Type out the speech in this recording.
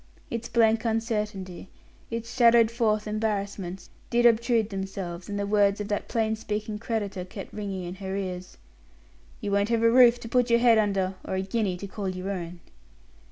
Its blank uncertainty, its shadowed forth embarrassments did obtrude themselves and the words of that plain speaking creditor kept ringing in her ears: "You won't have a roof to put your head under, or a guinea to call your own."